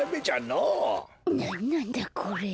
なんなんだこれ。